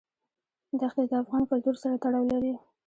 دښتې د افغان کلتور سره تړاو لري.